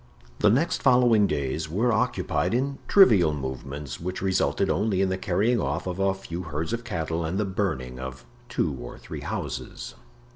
The next following days were occupied in trivial movements which resulted only in the carrying off of a few herds of cattle and the burning of two or three houses.